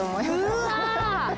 うわ。